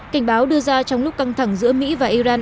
cảnh báo đưa ra trong lúc căng thẳng giữa mỹ và iran